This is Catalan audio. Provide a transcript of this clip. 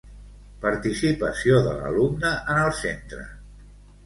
Participació de l'alumne en el centre.